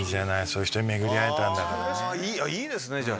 いいですね